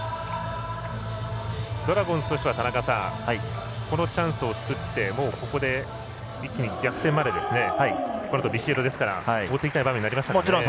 ドラゴンズとしてはこのチャンスを作って、ここで一気に逆転までこのあとビシエドですから持っていきたい場面になりました。